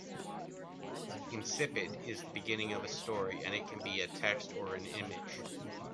Incipit is the beginning of a story and it can be a text or an image.